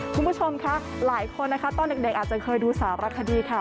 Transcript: คุณผู้ชมค่ะหลายคนนะคะตอนเด็กอาจจะเคยดูสารคดีค่ะ